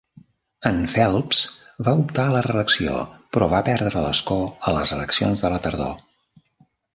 En Phelps va optar a la reelecció però va perdre l'escó a les eleccions de la tardor.